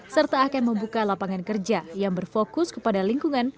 serta akan membuka lapangan kerja yang berfokus kepada lingkungan